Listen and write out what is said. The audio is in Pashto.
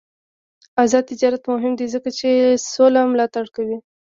آزاد تجارت مهم دی ځکه چې سوله ملاتړ کوي.